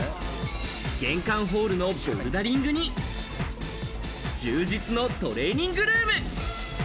玄関ホールのボルダリングに、充実のトレーニングルーム。